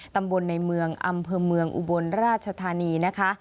ตำบลในเมืองอำเภอเมืองอุบลราชธานีนะคะ